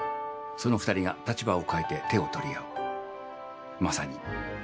その２人が立場を変えて手を取り合う。